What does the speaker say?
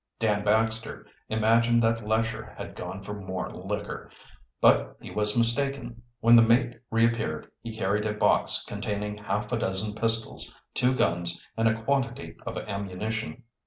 Dan Baxter imagined that Lesher had gone for more liquor. But he was mistaken. When the mate reappeared, he carried a box containing half a dozen pistols, two guns, and a quantity of ammunition.